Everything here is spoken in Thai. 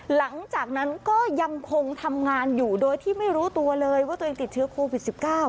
หลังจากนั้นก็ยังคงทำงานอยู่โดยที่ไม่รู้ตัวเลยว่าตัวเองติดเชื้อโควิด๑๙